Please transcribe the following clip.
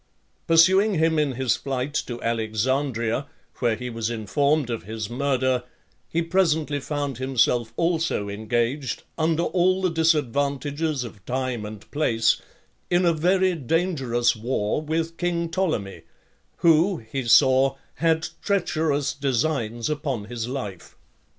Pursuing him in his flight to Alexandria, where he was informed of his murder, he presently found himself also engaged, under all the disadvantages of time and place, in a very dangerous war, with king Ptolemy, who, he saw, had treacherous designs upon his life.